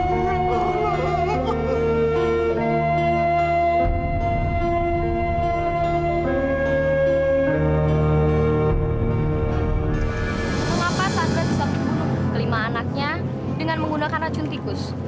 mengapa sandra bisa membunuh kelima anaknya dengan menggunakan racun tikus